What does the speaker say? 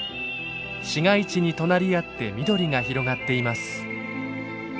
市街地に隣り合って緑が広がっています。